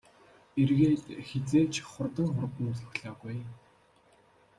Эргээд хэзээ ч хурдан хурдан цохилоогүй ээ.